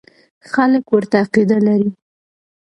خلک ورته عقیده لري.